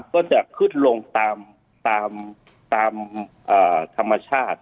ก็จะขึ้นลงตามธรรมชาติ